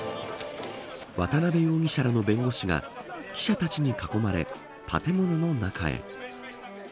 渡辺容疑者らの弁護士が記者たちに囲まれ建物の中へ。